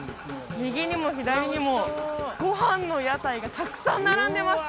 右にも左にもご飯の屋台がたくさん並んでます